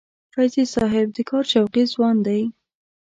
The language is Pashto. فیضي صاحب د کار شوقي ځوان دی.